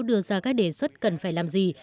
đưa ra các đề xuất cần phải làm gì